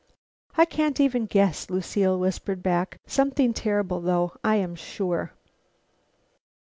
"I can't even guess," Lucile whispered back. "Something terrible though, I am sure."